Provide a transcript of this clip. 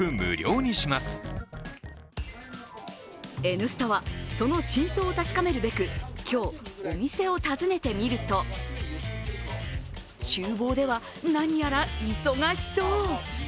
「Ｎスタ」はその真相を確かめるべく今日、お店を訪ねてみると、ちゅう房では、なにやら忙しそう。